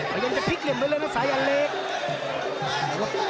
พยายามจะพลิกเหลี่ยมไปเลยนะสายันเล็ก